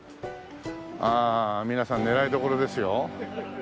ああ皆さん狙いどころですよ。